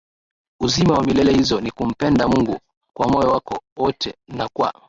uzima wa milele hizo ni kumpenda Mungu kwa moyo wako wote na kwa